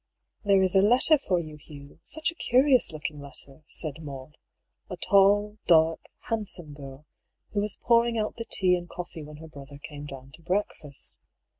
" There is a letter for you, Hugh ; such a curious looking letter," said Maud, a tall, dark, handsome girl, who was pouring out the tea and coffee when her brother came down to breakfast.